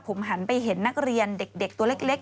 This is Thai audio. ผมหันไปเห็นนักเรียนเด็กตัวเล็ก